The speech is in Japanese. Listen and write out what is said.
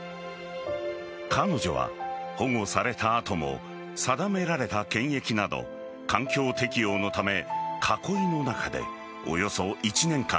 彼女は保護された後も定められた検疫など環境適応のため囲いの中で、およそ１年間